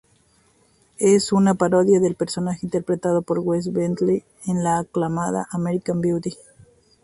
Es una parodia del personaje interpretado por Wes Bentley en la aclamada "American Beauty".